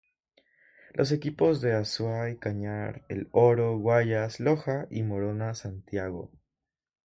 Los equipos de Azuay, Cañar, El Oro, Guayas, Loja y Morona Santiago.